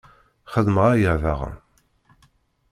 Xedmeɣ aya, daɣen.